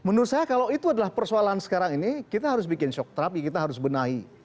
menurut saya kalau itu adalah persoalan sekarang ini kita harus bikin shock therapy kita harus benahi